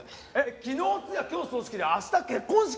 昨日お通夜今日葬式で明日結婚式！？